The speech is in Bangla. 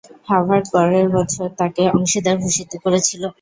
হার্ভার্ড পরের বছর তাকে অংশীদার ভূষিত করেছিলো।